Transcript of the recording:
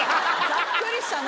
ざっくりしたな。